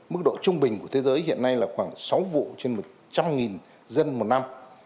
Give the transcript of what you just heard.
mức độ trung bình của thế giới hiện nay là khoảng sáu vụ trên một trăm linh dân một năm